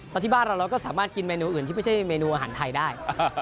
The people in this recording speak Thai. แล้วที่บ้านเราเราก็สามารถกินเมนูอื่นที่ไม่ใช่เมนูอาหารไทยได้